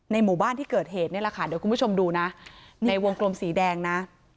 หมู่บ้านที่เกิดเหตุนี่แหละค่ะเดี๋ยวคุณผู้ชมดูนะในวงกลมสีแดงนะ